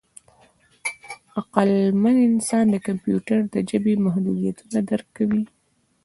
عقلمن انسان د کمپیوټر د ژبې محدودیتونه درک کوي.